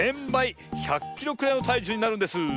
１００キロくらいのたいじゅうになるんです。